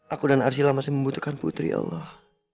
aku dan arsila masih membutuhkan putri allah